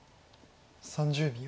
３０秒。